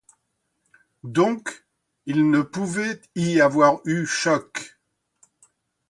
Donc, il ne pouvait y avoir eu choc.